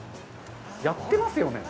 やってますよね？